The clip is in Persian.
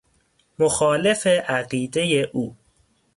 مخالف عقیده او